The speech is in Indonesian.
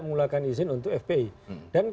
mengeluarkan izin untuk fpi dan